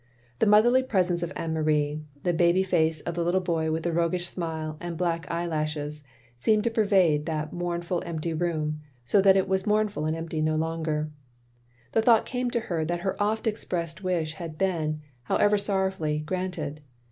The motherly presence of Anne Marie, the baby face of the little boy with the roguish sn^le and black eye lashes, seemed to pervade that motim ful empty room, so that it was mournful and empty no longer. The thought came to her that her oft expressed wish had been (however sorrowfully) granted.